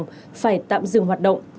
phải tạm dừng hoạt động